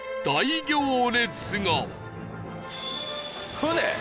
船？